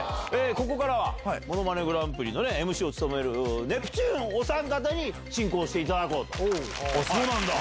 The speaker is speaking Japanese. ここからは、ものまねグランプリのＭＣを務めるネプチューンのお三方に進行しそうなんだ。